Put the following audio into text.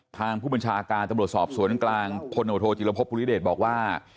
ทางผู้บัญชาการตำรวจสอบสวนกลางพลโอโทจิลภพภูริเดชบอกว่า